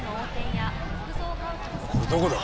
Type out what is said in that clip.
これどこだ？